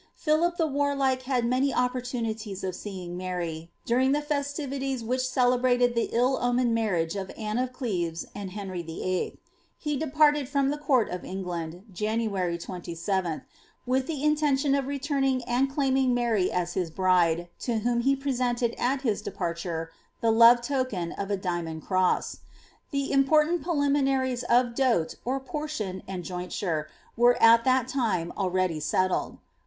Philip the Warlike had many opportunities of seeing Mary, during the fBstivities which celebrated the ill omened marriage of Anne of Cleves and Henry VIH. He departed from the court of England, January 27, with the intention of returning and claiming Mary as his bride, to whom he presented at his departure the love token of a diamond cross. The important preliminaries of dote (or portion) and jointure were at that time already settled.